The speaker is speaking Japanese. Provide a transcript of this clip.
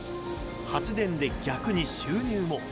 発電で逆に収入も。